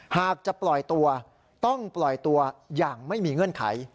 หากจะปล่อยตัวต้องปล่อยตัวอย่างไม่มีเงื่อนไข